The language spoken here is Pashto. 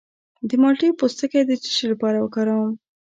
د مالټې پوستکی د څه لپاره وکاروم؟